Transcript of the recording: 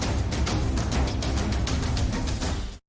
แล้วมันเข้าฝั่งคนขาดมันเป็นจังหวะเต็มเลยนะ